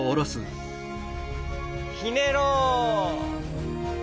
ひねろう。